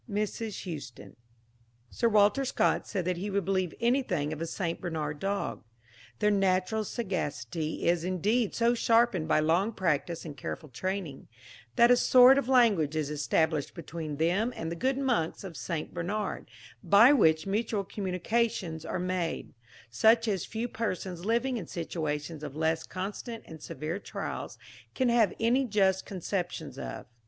MRS. HOUSTOUN. Sir Walter Scott said that he would believe anything of a St. Bernard dog. Their natural sagacity is, indeed, so sharpened by long practice and careful training, that a sort of language is established between them and the good monks of St. Bernard, by which mutual communications are made, such as few persons living in situations of less constant and severe trials can have any just conceptions of.